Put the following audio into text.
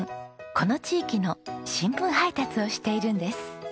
この地域の新聞配達をしているんです。